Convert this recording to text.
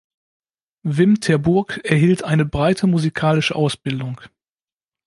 Wim ter Burg erhielt eine breite musikalische Ausbildung.